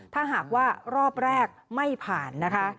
ถ้าหากว่ารอบแรกไม่ผ่านนะคะ